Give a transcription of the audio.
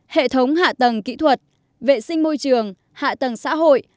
hệ thống hạ tầng kỹ thuật vệ sinh môi trường hạ tầng xã hội